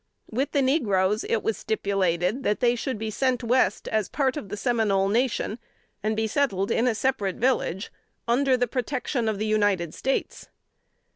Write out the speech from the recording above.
With the negroes, it was stipulated that they should be sent West, as a part of the Seminole nation, and be settled in a separate village, under the PROTECTION OF THE UNITED STATES."